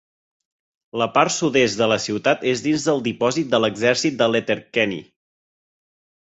La part sud-est de la ciutat és dins del Dipòsit de l'Exèrcit de Letterkenny.